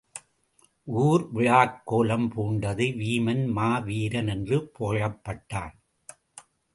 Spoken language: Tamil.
ஊர் விழாக் கோலம் பூண்டது.வீமன் மாவீரன் என்று புகழப்பட்டான்.